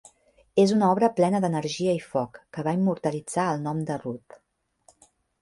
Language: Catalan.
És una obra plena d'energia i foc, que va immortalitzar el nom de Rude.